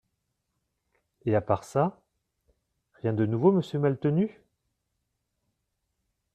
Et à part ça… rien de nouveau, Monsieur Maltenu ?